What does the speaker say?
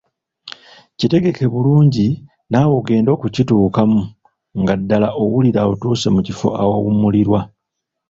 Kitegeke bulungi naawe ogende okituukamu nga ddala owulira otuuse mu kifo awawummulirwa.